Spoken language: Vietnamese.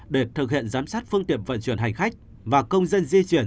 để thực hiện giám sát phương tiện vận chuyển hành khách và công dân di chuyển